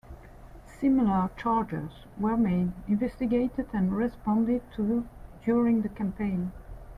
Similar charges were made, investigated and responded to during the campaign.